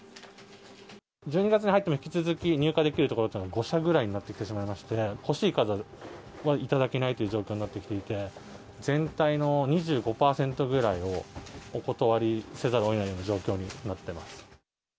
１２月に入っても、引き続き入荷できるところっていうのは５社ぐらいになってきてしまいまして、欲しい数は頂けないという状況になってきていて、全体の２５％ぐらいを、お断りせざるをえないような状況になっています。